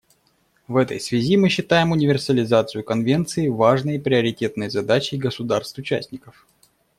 В этой связи мы считаем универсализацию Конвенции важной и приоритетной задачей государств-участников.